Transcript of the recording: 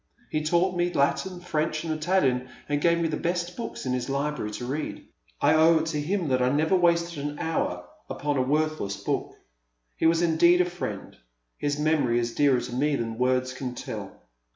He taught me Latin, French, and Italian, and gave me the best books in his library to read. I owe it to him that I never wasted an hour upon a worthless book. He was indeed a friend. His memory is dearer to me than words can tell."